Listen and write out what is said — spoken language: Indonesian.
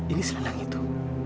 ini selendang itu